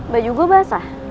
baju gua basah